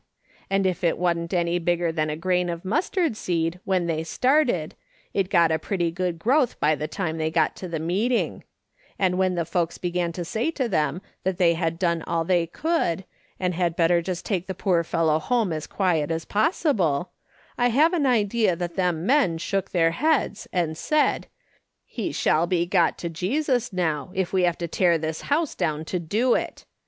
And if it wa'n'b any bigger than a grain of mustard seed when they started, it got a pretty good growth by the time they got to the meeting ; and when the folks began to say to them that they had done all they could, and had better just take the poor fellow home as quiet as possible, I have an idea that them men shook their heads and said : He shall be got to Jesus ijow, if we have to tear this house down to do it.